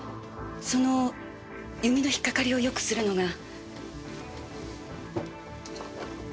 その弓の引っ掛かりをよくするのが。